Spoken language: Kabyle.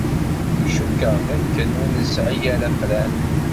Cukkteɣ dakken ur nesɛi ara afran.